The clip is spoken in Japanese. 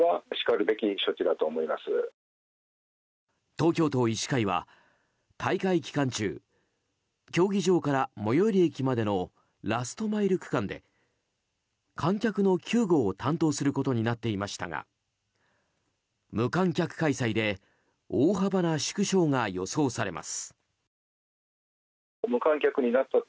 東京都医師会は、大会期間中競技場から最寄り駅までのラストマイル区間で観客の救護を担当することになっていましたが無観客開催で大幅な縮小が予想されます。